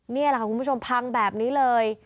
นี่แหละค่ะคุณผู้ชมพังแบบนี้เลย